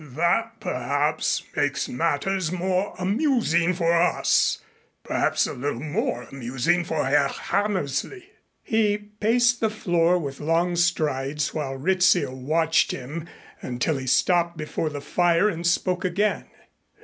"That perhaps makes matters more amusing for us perhaps a little more amusing for Herr Hammersley." He paced the floor with long strides while Rizzio watched him until he stopped before the fire and spoke again.